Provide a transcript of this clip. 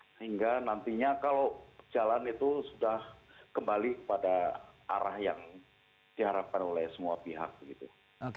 sehingga nantinya kalau jalan itu sudah kembali kepada arah yang diharapkan oleh semua pihak begitu